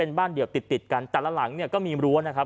บ้านเดี่ยวติดติดกันแต่ละหลังเนี่ยก็มีรั้วนะครับ